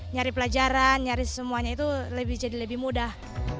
nyari pelajaran nyari semuanya itu jadi lebih mudah